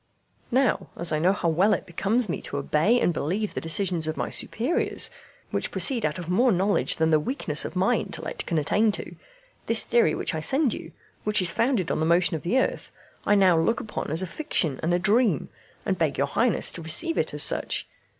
Now, as I know how well it becomes me to obey and believe the decisions of my superiors, which proceed out of more knowledge than the weakness of my intellect can attain to, this theory which I send you, which is founded on the motion of the earth, I now look upon as a fiction and a dream, and beg your highness to receive it as such.